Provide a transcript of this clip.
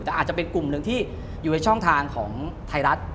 แต่อาจจะเป็นกลุ่มหนึ่งที่อยู่ในช่องทางของไทยรัฐ